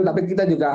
tapi kita juga